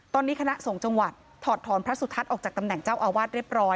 ตอนนี้คณะสงฆ์จังหวัดถอดถอนพระสุทัศน์ออกจากตำแหน่งเจ้าอาวาสเรียบร้อย